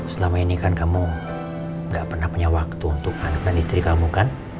selama ini kan kamu gak pernah punya waktu untuk anak dan istri kamu kan